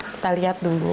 kita lihat dulu